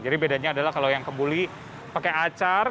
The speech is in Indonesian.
jadi bedanya adalah kalau yang kembuli pakai acar